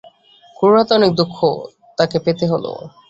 খুড়োর হাতে অনেক দুঃখ তাকে পেতে হল।